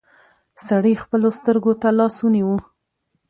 سړي خپلو سترګو ته لاس ونيو.